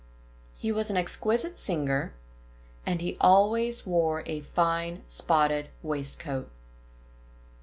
He was an exquisite singer; and he always wore a fine, spotted waistcoat.